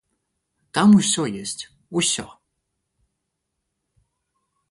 Там усё ёсць, усё!